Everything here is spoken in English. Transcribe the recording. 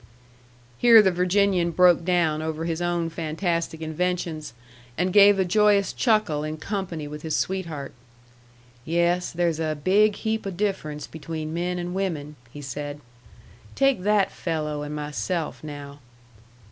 Here the Virginian broke down over his own fantastic inventions, and gave a joyous chuckle in company with his sweetheart. "Yes, there's a big heap o' difference between men and women," he said. "Take that fello' and myself, now."